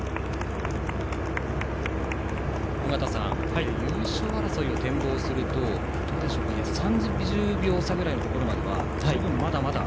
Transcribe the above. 尾方さん、優勝争いを展望すると３０秒差ぐらいまでは十分まだまだ。